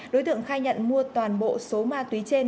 đối tượng khai nhận mua toàn bộ số ma túy trên